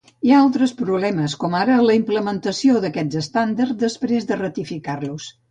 Hi ha altres problemes com ara la implementació d'aquests estàndards després de ratificar-los.